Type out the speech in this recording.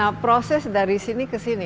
nah proses dari sini ke sini